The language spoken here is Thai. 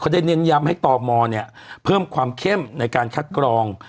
ได้เน้นย้ำให้ตมเพิ่มความเข้มในการคัดกรอง